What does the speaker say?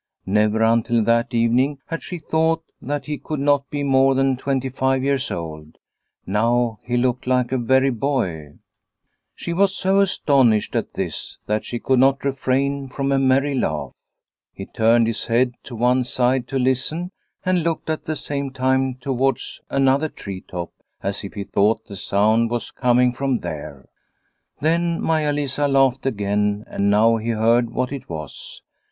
Never until that evening had she thought that he could not be more than twenty five years old. Now he looked like a very boy. She was so astonished at this that she could not refrain from a merry laugh. He turned his head to one side to listen, and looked at the same time towards another tree top, as if he thought the sound was coming from there. Then Maia Lisa laughed again and now he heard what it was.